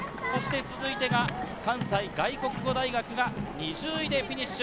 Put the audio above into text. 続いて、関西外国語大学が２０位でフィニッシュ。